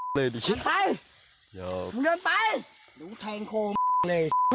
ประเภทประเภทประเภท